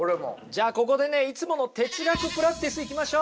じゃあここでねいつもの哲学プラクティスいきましょう。